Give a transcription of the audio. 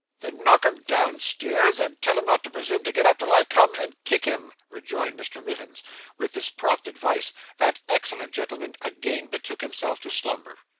'Then knock him downstairs, and tell him not to presume to get up till I come and kick him,' rejoined Mr. Mivins; with this prompt advice that excellent gentleman again betook himself to slumber.